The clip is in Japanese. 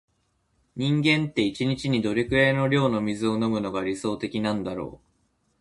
人間って、一日にどれくらいの量の水を飲むのが理想的なんだろう。